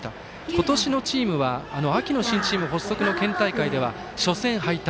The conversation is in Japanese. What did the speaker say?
今年のチームは秋の新チーム発足の県大会では初戦敗退。